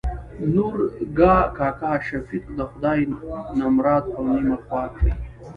نورګا کاکا : شفيق د خداى نمراد او نيمه خوا کړي.